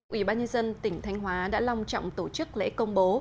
ủy ban nhân dân tỉnh thanh hóa đã long trọng tổ chức lễ công bố